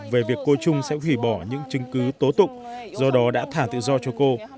về việc cô trung sẽ hủy bỏ những chứng cứ tố tụng do đó đã thả tự do cho cô